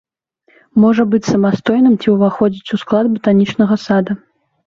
Можа быць самастойным ці уваходзіць у склад батанічнага сада.